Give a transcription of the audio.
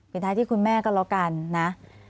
เป็นทางที่คุณแม่เขาลองกันนะ